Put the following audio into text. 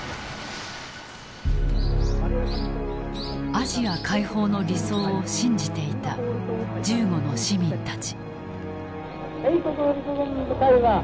アジア解放の理想を信じていた銃後の市民たち。